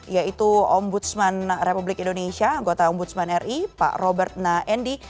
yaitu ombudsman republik indonesia anggota ombudsman ri pak robert naendi